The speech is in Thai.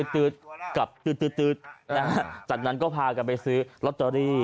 ตื๊ดกับตื๊ดจากนั้นก็พากันไปซื้อลอตเตอรี่